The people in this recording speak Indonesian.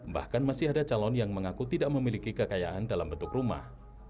bahkan masih ada calon yang mengaku tidak memiliki kekayaan dalam bentuk rumah